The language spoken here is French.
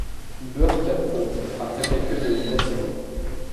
Burke approuve, après quelques hésitations.